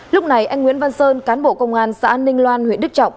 lúc này anh nguyễn văn sơn cán bộ công an xã ninh loan huyện đức trọng